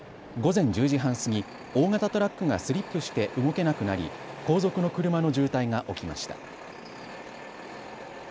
午前１０時半過ぎ、大型トラックがスリップして動けなくなり後続の車の渋滞が起きました。